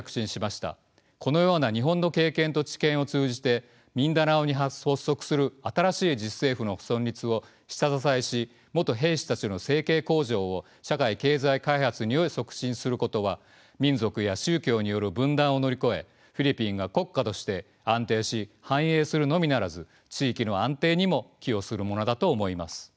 このような日本の経験と知見を通じてミンダナオに発足する新しい自治政府の存立を下支えし元兵士たちの生計向上を社会経済開発により促進することは民族や宗教による分断を乗り越えフィリピンが国家として安定し繁栄するのみならず地域の安定にも寄与するものだと思います。